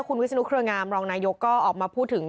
คุณวิศนุเครืองามรองนายกก็ออกมาพูดถึง